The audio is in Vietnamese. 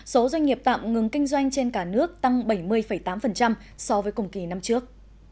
số doanh nghiệp tạm ngừng kinh doanh trên cả nước tăng bảy mươi tám so với cùng kỳ năm trước